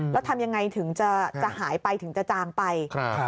แล้วทำยังไงถึงจะหายไปถึงจะจางไป